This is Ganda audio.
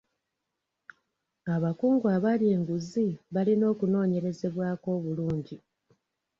Abakungu abalya enguzi balina okunoonyerezebwako bulungi.